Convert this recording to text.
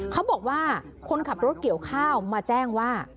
เขาบอกว่าคนขับรถเกี่ยวข้าวมาแจ้งว่า